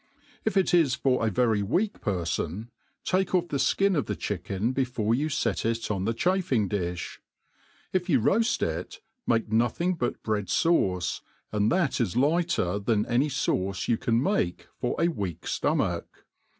If it is for a very weak perfon, take off the fkin of the chicken before you fet it on thechafing dirti. If you roaft it, make nothing but bread fauce^ and that is lighter than any fauce you can make for a weak ftomach.